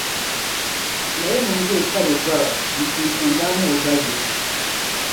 Liɣiri mini guli ka bɛ bɔra n-tim sandaani o ba yili.